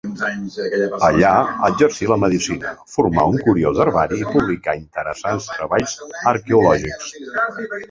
Allà exercí la medicina, formà un curiós herbari i publicà interessants treballs arqueològics.